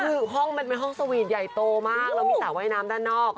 คือห้องมันเป็นห้องสวีทใหญ่โตมากแล้วมีสระว่ายน้ำด้านนอก